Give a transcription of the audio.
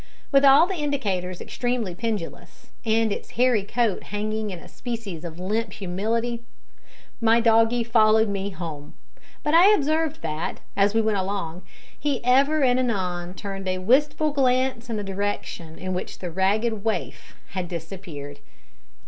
With all the indicators extremely pendulous, and its hairy coat hanging in a species of limp humility, my doggie followed me home; but I observed that, as we went along, he ever and anon turned a wistful glance in the direction in which the ragged waif had disappeared.